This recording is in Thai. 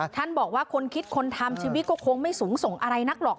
ท่านบอกว่าคนคิดคนทำชีวิตก็คงไม่สูงส่งอะไรนักหรอก